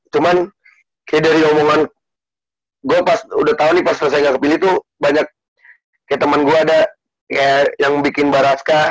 cuman kayak dari omongan gua udah tau nih pas selesai gak kepilih tuh banyak kayak temen gua ada yang bikin baraska